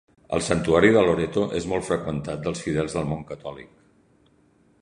El santuari de Loreto és molt freqüentat dels fidels del món catòlic.